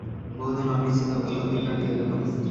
বহুদিন অনিশ্চিত অবস্থাতেই কাটিয়া গেল।